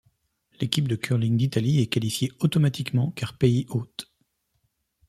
L'équipe de curling d'Italie est qualifiée automatiquement car pays hôtes.